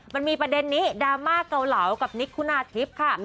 มันมีประเด็นนี้ดราม่าเกาเหลากับนิกคุณาทิพย์ค่ะ